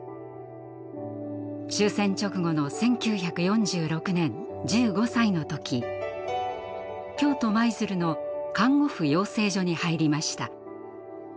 終戦直後の１９４６年１５歳の時京都・舞鶴の看護婦養成所に入りました。